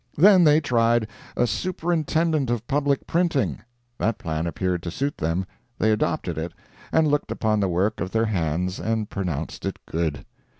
Then they tried a Superintendent of Public Printing. That plan appeared to suit them. They adopted it, and looked upon the work of their hands and pronounced it good.